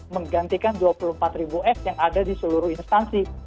menggantikan dua puluh empat ribu s yang ada di seluruh instansi